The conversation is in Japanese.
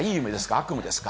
悪夢ですか？